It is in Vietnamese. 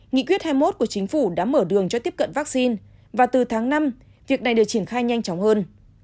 nghị quyết hai mươi một của chính phủ đã mở đường cho tiếp cận vaccine và từ tháng năm việc này được triển khai nhanh chóng hơn